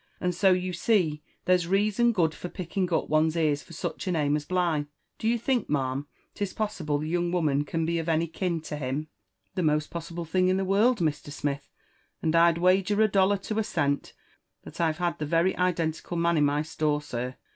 And so, you see, there's reason good for picking up one's ears for such a name as Bligh. Do you think, ma'am, 'tis possible the young woman can be any kin to hiui? The most possible thing in the whole world, Mr. Smith ; and I'd wager a dollar to a cent that I've had the very identical man in my store, sir.